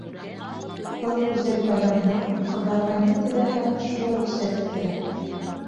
Был гүзәл байрамда ҡыҙҙарға ни теләһә, шул рөхсәт ителә.